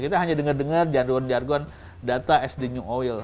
kita hanya dengar dengar jargon jargon data as the new oil